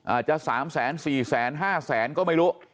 อาจจะ๓๔๕แสนก็ไม่รู้